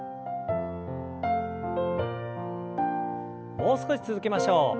もう少し続けましょう。